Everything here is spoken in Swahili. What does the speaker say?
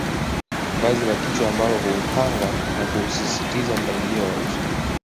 Vazi la kichwa ambalo huupanga na kuusisitiza mpangilio wa uso